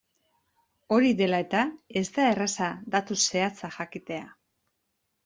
Hori dela eta, ez da erraza datu zehatza jakitea.